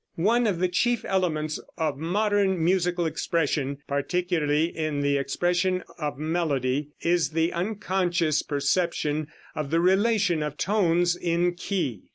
One of the chief elements of modern musical expression, particularly in the expression of melody, is the unconscious perception of the "relation of tones in key."